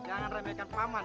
ilmu nabak kanjang